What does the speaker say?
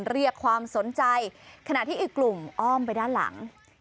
เรียกความสนใจขณะที่อีกกลุ่มอ้อมไปด้านหลัง